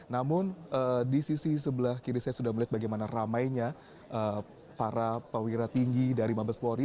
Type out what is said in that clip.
namun di sisi sebelah kiri saya sudah melihat bagaimana ramainya para perwira tinggi dari mabes polri